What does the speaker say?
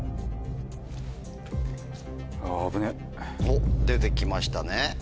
おっ出て来ましたね。